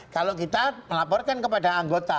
kalau kita melaporkan kepada anggota